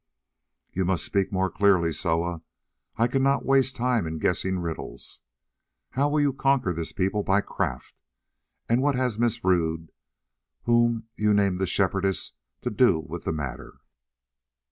"You must speak more clearly, Soa. I cannot waste time in guessing riddles. How will you conquer this people by craft, and what has Miss Rodd, whom you name the Shepherdess, to do with the matter?"